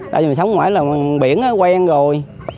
tại vì mình sống ngoài là biển quen rồi